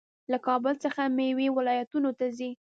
له کابل څخه میوې ولایتونو ته ځي.